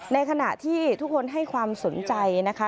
ในขณะที่ทุกคนให้ความสนใจนะคะ